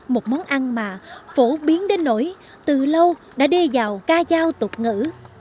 một món ăn mà phổ biến đến nổi từ lâu đã đề dào ca giao tục ngữ